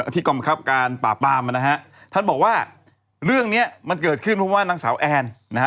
ที่กองบังคับการปราบปามนะฮะท่านบอกว่าเรื่องเนี้ยมันเกิดขึ้นเพราะว่านางสาวแอนนะฮะ